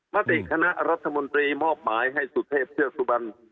มติคณะรัฐมนตรีมอบหมายให้สุเทพเทือกสุบัน